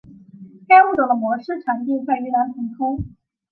该物种的模式产地在云南腾冲。